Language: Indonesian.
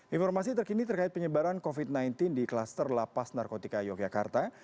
informasi terkini terkait penyebaran covid sembilan belas di klaster lapas narkotika yogyakarta